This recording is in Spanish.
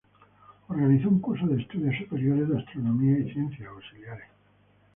Organizó un curso de Estudios Superiores de Astronomía y Ciencias Auxiliares.